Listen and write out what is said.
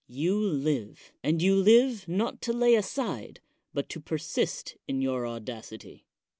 You live, — and you live, not to lay aside, but to persist in your audacity.